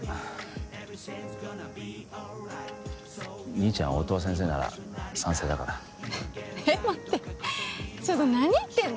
兄ちゃん音羽先生なら賛成だからえ待ってちょっと何言ってんの？